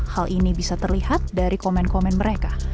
hal ini bisa terlihat dari komen komen mereka